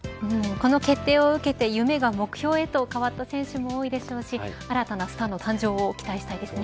この決定を受けて夢が目標へと変わった選手も多いですし新たなスターの誕生を期待したいですね。